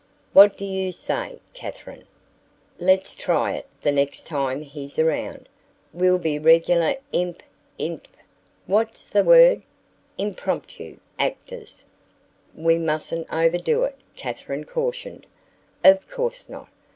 "What do you say, Katherine? let's try it the next time he's around: We'll be regular imp , inp What's the word impromptu actors." "We mustn't overdo it," Katherine cautioned. "Of course not.